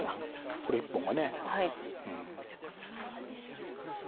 これ１本がうん。